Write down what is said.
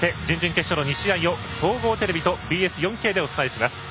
そして、準々決勝の２試合を総合テレビとＢＳ４Ｋでお伝えします。